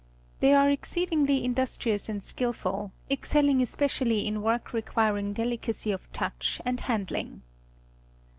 They are exceedingly industrious and skilful, excelling especially in work requiring deUcacy of touch and handling.